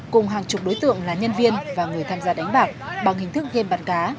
cùng hàng chục đối tượng là nhân viên và người tham gia đánh bạc bằng hình thức gam bạc cá